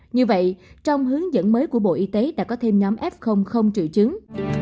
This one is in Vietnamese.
như vậy trong hướng dẫn mới của bộ y tế đã có thêm nhóm f không triệu chứng